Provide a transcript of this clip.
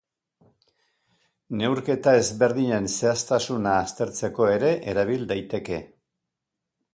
Neurketa ezberdinen zehaztasuna aztertzeko ere erabil daiteke.